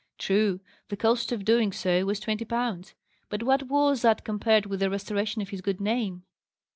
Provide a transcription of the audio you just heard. True, the cost of doing so was twenty pounds: but what was that compared with the restoration of his good name?